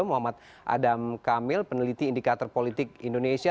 muhammad adam kamil peneliti indikator politik indonesia